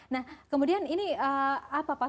nah kemudian ini apa pak